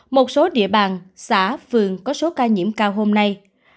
một số địa bàn xã phường có số ca nhiễm cao hôm nay